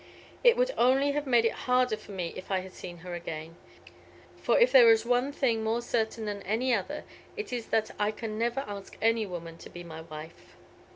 "It would only have made it harder for me if I had seen her again. For if there is one thing more certain than another, it is that I can never ask any woman to be my wife."